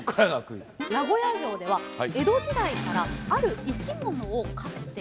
名古屋城では江戸時代からある生き物を飼っています。